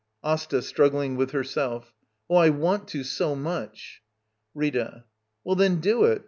Asta. [Struggling with herself.] Oh, I want to so much — JliTA. Well, then, do it!